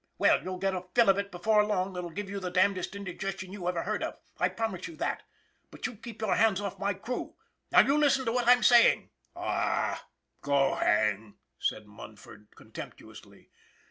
Well, you'll get a fill of it before long that'll give you the damnest indigestion you ever heard of. I promise you that ! But you keep your hands off my crew! Now you listen to what I'm saying! " "Aw, go hang!" said Munford, contemptu ously.